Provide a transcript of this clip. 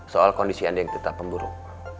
soal kondisi anda yang tetap pemburuk